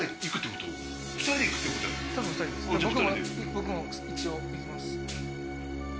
僕も一応行きます。